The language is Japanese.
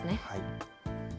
はい。